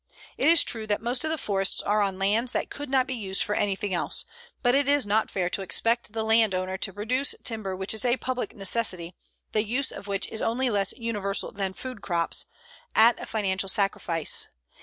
It is true that most of the forests are on lands that could not be used for anything else, but it is not fair to expect the landowner to produce timber which is a public necessity, the use of which is only less universal than food crops, at a financial sacrifice.